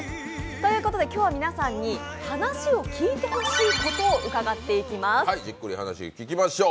ということで今日は皆さんに話を聞いてほしいことを伺っていきます。